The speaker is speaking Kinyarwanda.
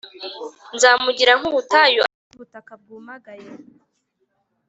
Nzamugira nk’ubutayu, abe nk’ubutaka bwumagaye,